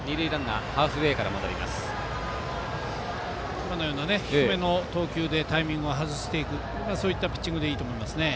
今のような低めの投球でタイミングを外していくというピッチングでいいと思います。